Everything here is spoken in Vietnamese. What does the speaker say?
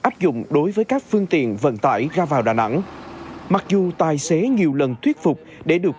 áp dụng đối với các phương tiện vận tải ra vào đà nẵng mặc dù tài xế nhiều lần thuyết phục để được